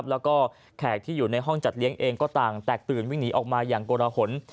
แล้วก็แขกที่อยู่ในห้องจัดเลี้ยงเองก็ต่างแตกตื่นวิ่งหนีออกมาอย่างโกรหล